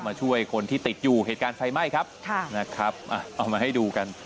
มาช่วยคนที่ติดอยู่เหตุการณ์ไฟไหม้ครับค่ะนะครับอ่ะเอามาให้ดูกัน